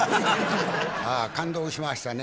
ああ感動しましたね。